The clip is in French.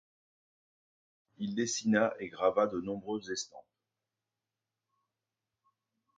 Il dessina et grava de nombreuses estampes.